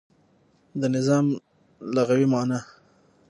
د نظام لغوی معنا